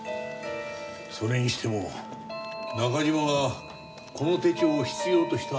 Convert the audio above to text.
それにしても中島がこの手帳を必要とした理由がわからない。